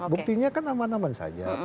buktinya kan aman aman saja